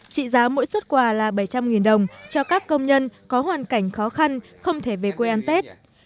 trị giá mỗi xuất quà là bảy trăm linh đồng cho các công nhân có hoàn cảnh khó khăn không thể về quê ăn tết